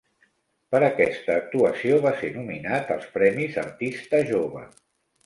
Per aquesta actuació va ser nominat als Premis Artista Jove.